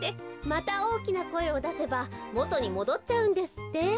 またおおきなこえをだせばもとにもどっちゃうんですって。